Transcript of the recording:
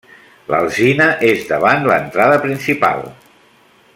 L'alzina és davant l'entrada principal.